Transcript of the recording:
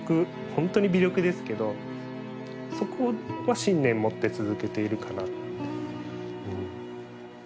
本当に微力ですけどそこは信念持って続けているかな。